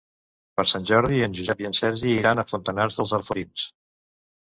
Per Sant Jordi en Josep i en Sergi iran a Fontanars dels Alforins.